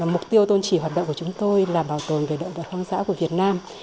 mục tiêu tôn chỉ hoạt động của chúng tôi là bảo tồn về động vật hoang dã của việt nam